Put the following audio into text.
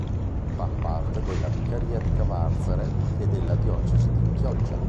Fa parte della Vicaria di Cavarzere e della Diocesi di Chioggia